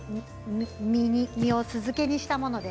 実を酢漬けにしたもので。